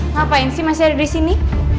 ngapain sih masih ada di sini